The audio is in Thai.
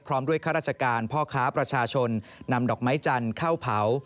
พร้อมด้วยข้าราชการพ่อค้าประชาชนนำดอกไม้จันทร์เข้าเผา